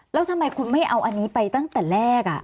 แล้วทำไมคุณไม่เอาอันนี้ไปตั้งแต่แรก